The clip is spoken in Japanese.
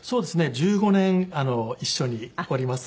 １５年一緒におります。